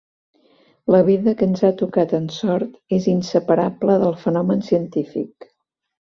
La vida que ens ha tocat en sort és inseparable del fenomen científic.